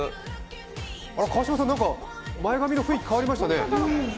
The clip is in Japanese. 川島さん、前髪の雰囲気変わりましたね？